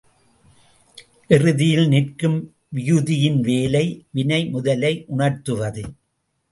இறுதியில் நிற்கும் விகுதியின் வேலை வினைமுதலை உணர்த்துவது.